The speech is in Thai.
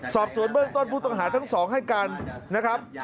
สอบสวนเบื้องต้นผู้ต้องหาทั้งสองให้กันนะครับ